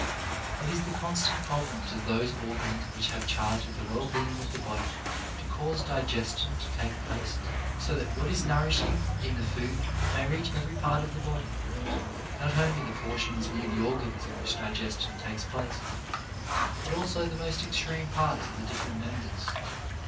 It is the constant problem of those organs which have charge of the well being of the body, to cause digestion to take place, so that what is nourishing in the food may reach every part of the body, not only the portions near the organs in which digestion takes place, but also the most extreme parts of the different members.